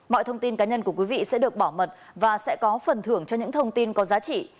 mọi thông tin cá nhân của quý vị sẽ được bảo mật và sẽ có phần thưởng cho những thông tin có giá trị